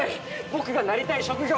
僕がなりたい職業